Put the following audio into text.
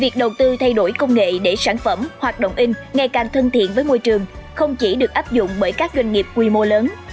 việc đầu tư thay đổi công nghệ để sản phẩm hoạt động in ngày càng thân thiện với môi trường không chỉ được áp dụng bởi các doanh nghiệp quy mô lớn